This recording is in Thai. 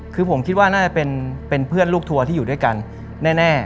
คือผมคิดว่าน่าจะเป็นเพื่อนลูกทัวร์ที่อยู่ด้วยกันแน่